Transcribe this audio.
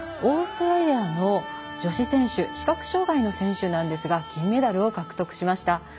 オーストラリアの女子選手視覚障がいの選手なんですが金メダルを獲得しました。